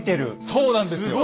そうなんですよ。